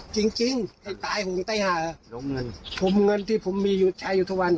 จริงตายผมใต้หาลงเงินลงเงินที่ผมมีใช้อยู่ทุกวัน